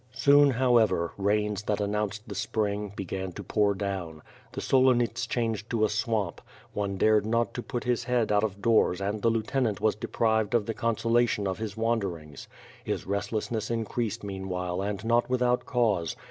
Soon, however, rains that announced the spring, began to pour down. The Solonits changed to a swamp; one dared not to put his head out of doors and the lieutenant was de prived of the consolation of his wanderings. His restless ness increased meanwhile and not without cause.